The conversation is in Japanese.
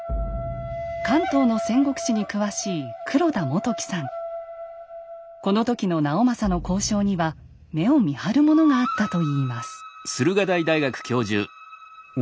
関東の戦国史に詳しいこの時の直政の交渉には目をみはるものがあったといいます。